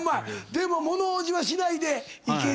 でも物おじはしないでいけるように。